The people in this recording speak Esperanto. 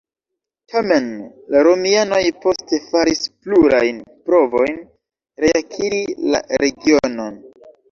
Tamen, la romianoj poste faris plurajn provojn reakiri la regionon.